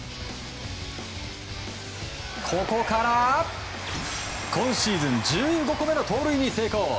ここから今シーズン１５個目の盗塁に成功。